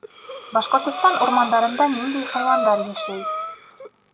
Башҡортостан урмандарында ниндәй хайуандар йәшәй?